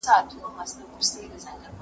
کله چې انصاف حاکم وي، بې اعتمادي نه زیاتېږي.